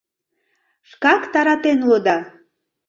Шкак таратен улыда.